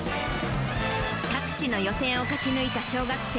各地の予選を勝ち抜いた小学生